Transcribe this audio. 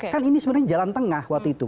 kan ini sebenarnya jalan tengah waktu itu